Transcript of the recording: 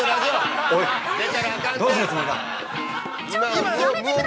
◆おい、どうするつもりだ。